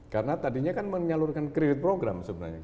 karena tadinya kan menyalurkan kredit program sebenarnya